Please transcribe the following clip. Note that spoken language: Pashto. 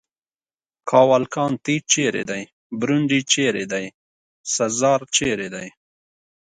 کاوالکانتي چېرې دی؟ برونډي چېرې دی؟ سزار چېرې دی؟